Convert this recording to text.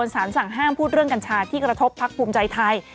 สารสั่งห้ามพูดเรื่องกัญชาที่กระทบพักภูมิใจไทย